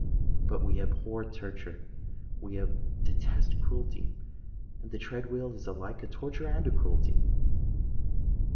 But we abhor torture—we detest cruelty; and the tread wheel is alike a torture and a cruelty!